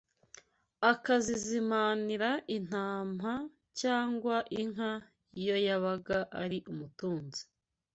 akazizimanira intama cyangwa inka iyo yabaga ari umutunzi